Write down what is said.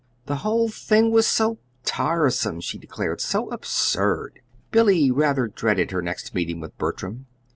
The whole thing was so "tiresome," she declared, and so "absurd." Billy rather dreaded her next meeting with Bertram.